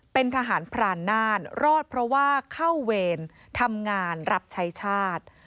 เป็นทหารพรานน่านรอดเพราะว่าเข้าเวรทำงานรับใช้ชาติ